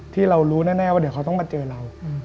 ที่เรารู้แน่ว่าเดี๋ยวเขาต้องมาเจอเรา